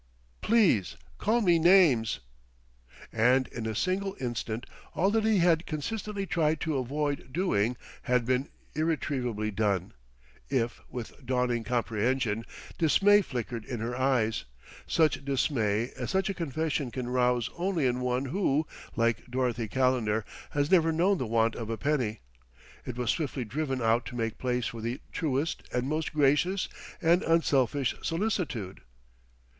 Please call me names." And in a single instant all that he had consistently tried to avoid doing, had been irretrievably done; if, with dawning comprehension, dismay flickered in her eyes such dismay as such a confession can rouse only in one who, like Dorothy Calendar, has never known the want of a penny it was swiftly driven out to make place for the truest and most gracious and unselfish solicitude.